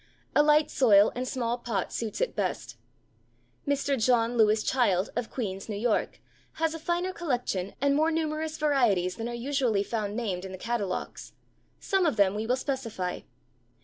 A light soil and small pot suits it best. Mr. John Lewis Child of Queens, N. Y., has a finer collection and more numerous varieties than are usually found named in the catalogues. Some of them we will specify.